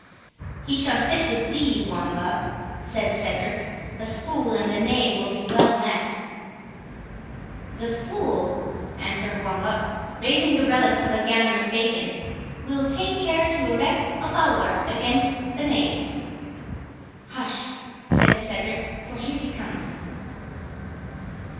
"He shall sit with thee, Wamba," said Cedric; "the fool and the knave will be well met." "The fool," answered Wamba, raising the relics of a gammon of bacon, "will take care to erect a bulwark against the knave." "Hush," said Cedric, "for here he comes."